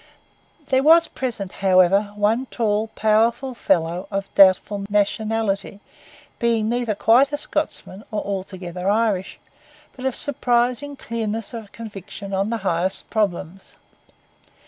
There was present, however, one tall, powerful fellow of doubtful nationality, being neither quite Scotsman nor altogether Irish, but of surprising clearness of conviction on the highest problems.